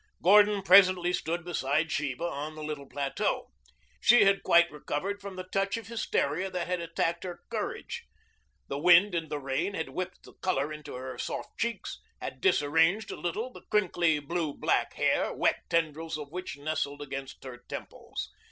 Gordon presently stood beside Sheba on the little plateau. She had quite recovered from the touch of hysteria that had attacked her courage. The wind and the rain had whipped the color into her soft cheeks, had disarranged a little the crinkly, blue black hair, wet tendrils of which nestled against her temples.